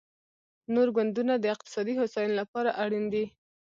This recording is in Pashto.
نور ګوندونه د اقتصادي هوساینې لپاره اړین دي